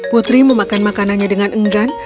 putri memakan makanannya dengan enggan